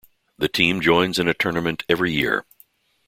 The team joins in a tournament every year.